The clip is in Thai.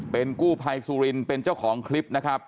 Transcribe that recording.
เป็นกู้ภัยสุรินเป็นเจ้าของคลิปนะครับ